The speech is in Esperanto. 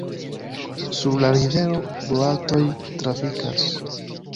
Sur la rivero boatoj trafikas.